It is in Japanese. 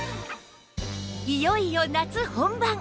いよいよ夏本番！